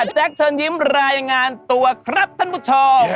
เชิญยิ้มรายงานตัวครับท่านผู้ชม